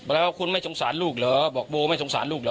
แล้วคุณไม่สงสารลูกเหรอบอกโบไม่สงสารลูกเหรอ